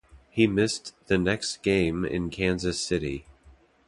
He missed the next game in Kansas City.